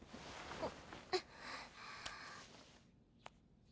あっ。